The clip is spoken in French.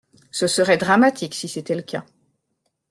Ce serait dramatique si c’était le cas.